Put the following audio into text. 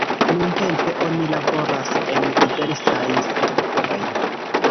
Nuntempe oni laboras en diversaj servoj.